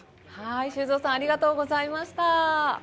修造さんありがとうございました。